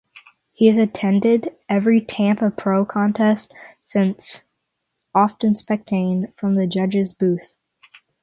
He has attended every Tampa Pro contest since, often spectating from the judges' booth.